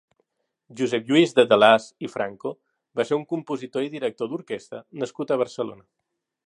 Josep Lluís de Delàs i Franco va ser un compositor i director d'orquesta nascut a Barcelona.